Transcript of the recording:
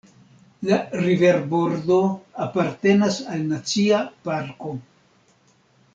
La riverbordo apartenas al Nacia parko.